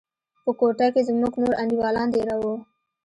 په کوټه کښې زموږ نور انډيوالان دېره وو.